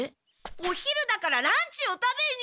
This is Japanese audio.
お昼だからランチを食べに！